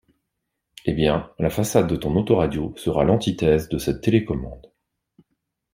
Eh bien la façade de ton autoradio sera l'antithèse de cette télécommande.